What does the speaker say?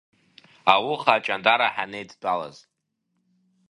Ауха Аҷандара ҳанеидтәалаз.